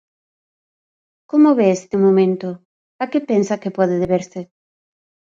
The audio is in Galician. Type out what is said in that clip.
Como ve este momento, a que pensa que pode deberse?